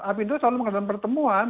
apindo selalu mengadakan pertemuan